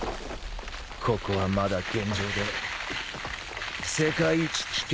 ここはまだ現状で世界一危険な島だよい。